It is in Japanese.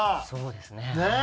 そうですね。